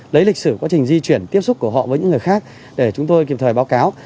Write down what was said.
lấy lịch sử quá trình di chuyển tiếp xúc của họ với những người khác để chúng tôi kịp thời báo cáo